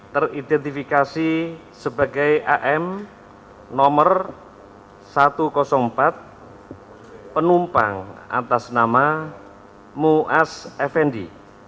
teridentifikasi sebagai am nomor satu ratus empat penumpang atas nama muaz effendi